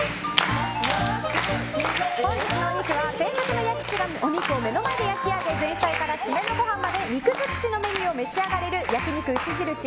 本日のお肉は、専属の焼き師がお肉を目の前で焼き上げ前菜から締めのごはんまで肉尽くしのメニューを召し上がれる焼肉牛印